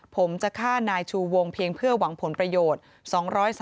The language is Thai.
ผมจะฆ่านายชูวงเพียงเพื่อหวังผลประโยชน์